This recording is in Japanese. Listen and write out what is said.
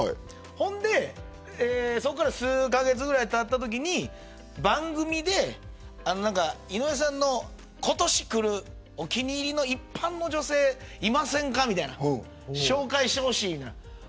そこから数カ月くらいたったときに番組で井上さんの今年くるお気に入りの一般の女性いませんかみたいな紹介してほしいみたいな。